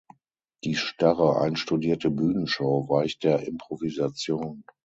Die starre einstudierte Bühnenshow weicht der Improvisation.